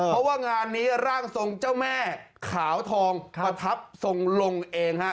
เพราะว่างานนี้ร่างทรงเจ้าแม่ขาวทองประทับทรงลงเองฮะ